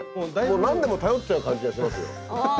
もう何でも頼っちゃう感じがしますよ。